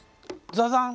ザザン！